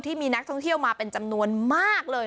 ที่มีนักท่องเที่ยวมาเป็นจำนวนมากเลย